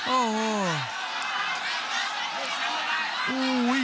โอ้โห